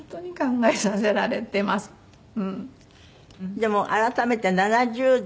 でも改めて今７０代。